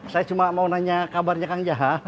saya cuma mau nanya kabarnya kang jahat